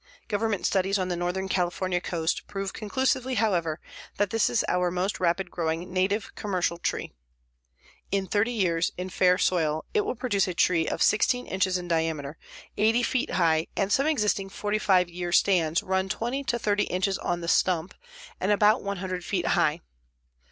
Government studies on the northern California coast prove conclusively, however, that this is our most rapid growing native commercial tree. In thirty years, in fair soil, it will produce a tree of 16 inches diameter, 80 feet high, and some existing 45 year stands run 20 to 30 inches on the stump and about 100 feet high.